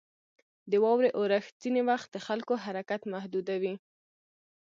• د واورې اورښت ځینې وخت د خلکو حرکت محدودوي.